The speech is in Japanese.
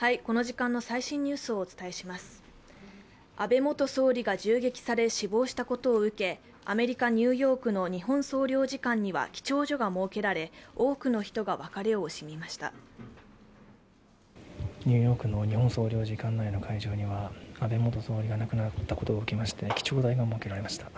安倍元総理が銃撃され死亡したことを受け、アメリカ・ニューヨークの日本総領事館には記帳所が設けられ多くの人が別れを惜しみました。